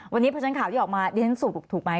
วันนี้เพราะฉะนั้นข่าวที่ออกมาเรียนสูงถูกไหม